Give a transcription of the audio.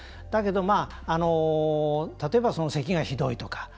だけど例えば、せきがひどいとか。